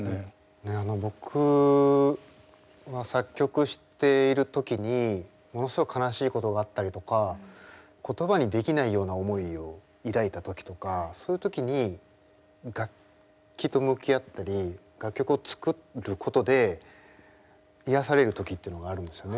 僕は作曲している時にものすごい悲しいことがあったりとか言葉にできないような思いを抱いた時とかそういう時に楽器と向き合ったり楽曲を作ることで癒やされる時ってのがあるんですよね。